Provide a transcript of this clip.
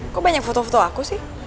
kok banyak foto foto aku sih